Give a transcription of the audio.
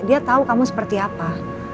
dia tahu kamu seperti apa